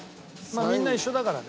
まあみんな一緒だからね。